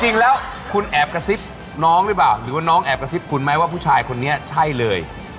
จริงแล้วคุณแอบกระซิบน้องหรือเปล่าหรือว่าน้องแอบกระซิบคุณไหมว่าผู้ชายคนนี้ใช่เลย